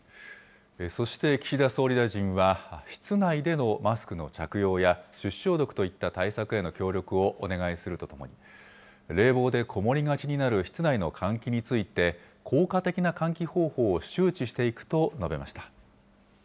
そして岸田総理大臣は、室内でのマスクの着用や、手指消毒といった対策への協力をお願いするとともに、冷房でこもりがちになる室内の換気について、効果的な換気方法を周知していくと述べました。